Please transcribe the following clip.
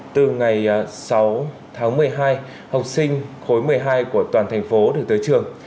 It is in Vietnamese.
từ ngày sáu tháng một mươi hai học sinh khối một mươi hai của toàn thành phố được tới trường